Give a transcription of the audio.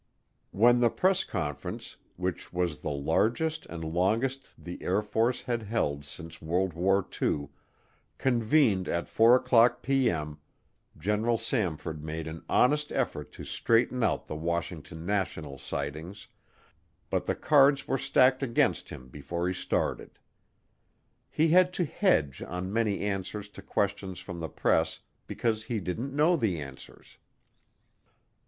When the press conference, which was the largest and longest the Air Force had held since World War II, convened at 4:00P.M., General Samford made an honest effort to straighten out the Washington National Sightings, but the cards were stacked against him before he started. He had to hedge on many answers to questions from the press because he didn't know the answers.